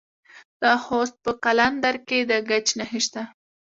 د خوست په قلندر کې د ګچ نښې شته.